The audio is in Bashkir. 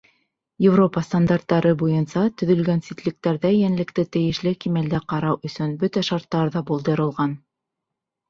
Европа стандарттары буйынса төҙөлгән ситлектәрҙә йәнлекте тейешле кимәлдә ҡарау өсөн бөтә шарттар ҙа булдырылған.